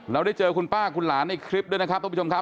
ได้เจอคุณป้าคุณหลานในคลิปด้วยนะครับท่านผู้ชมครับ